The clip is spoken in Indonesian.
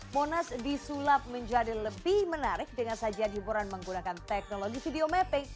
monas disulap menjadi lebih menarik dengan sajian hiburan menggunakan teknologi video mapping